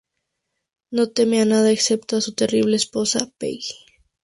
No teme a nada excepto a su terrible esposa Peggy.